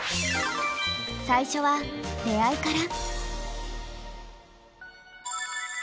最初は出会いから。